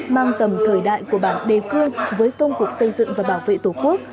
mang tầm thời đại của bản đề cương với công cuộc xây dựng và bảo vệ tổ quốc